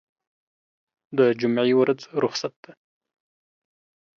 دجمعې ورځ رخصت ده